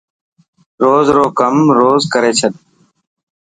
روز رو ڪم روز ڪري ڇڏ.